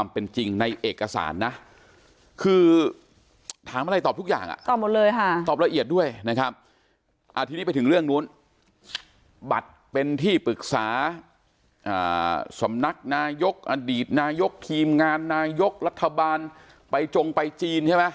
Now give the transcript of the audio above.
ปรึกษาสำนักนายกอดีตนายกทีมงานนายกรัฐบาลไปจงไปจีนใช่ไหม